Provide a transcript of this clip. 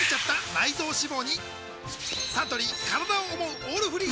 サントリー「からだを想うオールフリー」